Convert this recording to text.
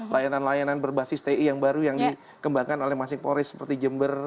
layanan layanan berbasis ti yang baru yang dikembangkan oleh masing polis seperti jember